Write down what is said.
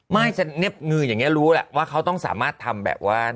ไม่ฉันเน็บมืออย่างนี้รู้แหละว่าเขาต้องสามารถทำแบบว่า